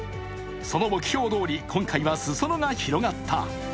その目標どおり、今回は裾野が広がった。